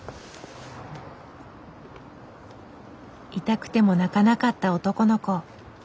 痛くても泣かなかった男の子。